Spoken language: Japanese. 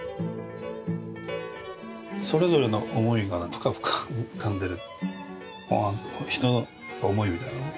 それぞれの思いがプカプカ浮かんでる。